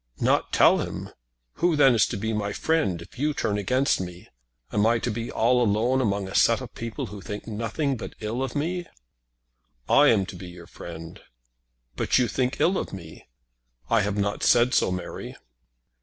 "Not tell him! Who then is to be my friend if you turn against me? Am I to be all alone among a set of people who think nothing but ill of me?" "I am to be your friend." "But you think ill of me." "I have not said so, Mary."